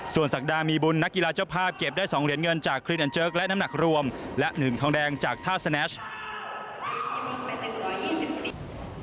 ส่วนศักดามีบุญนักกีฬาเจ้าภาพเก็บได้๒เหรียญเงินจากคลินอันเจิกและน้ำหนักรวมและ๑ทองแดงจากท่าสแนช